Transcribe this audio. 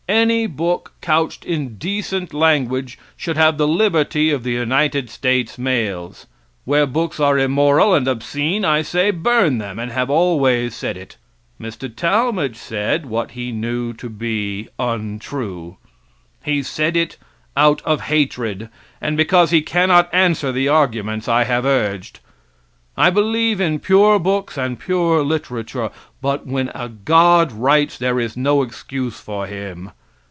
Any book, couched in decent language, should have the liberty of the United States mails. Where books are immoral and obscene, I say, burn them, and have always said it. Mr. Talmage said what he knew to be untrue. He said it out of hatred, and because he cannot answer the arguments I have urged. I believe in pure books and pure literature. But when a God writes there is no excuse for Him.